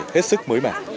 hết sức mới mẻ